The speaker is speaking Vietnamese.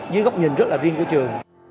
dưới góc nhìn rất là riêng của trường